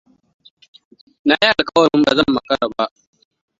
Na yi alkawarin ba zan makara ba.